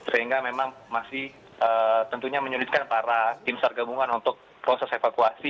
sehingga memang masih tentunya menyulitkan para tim sargabungan untuk proses evakuasi